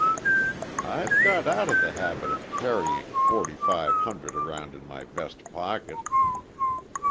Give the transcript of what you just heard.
"I've got out the habit of carrying forty five hundred around in my vest pocket...."